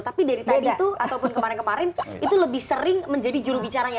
tapi dari tadi itu ataupun kemarin kemarin itu lebih sering menjadi jurubicaranya